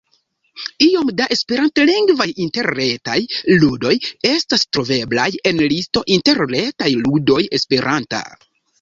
Iom da esperantlingvaj interretaj ludoj estas troveblaj en listo Interretaj ludoj esperanta.